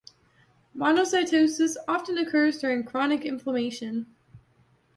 Monocytosis often occurs during chronic inflammation.